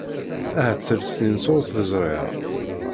Ahat telt-snin sur t-ẓriɣ.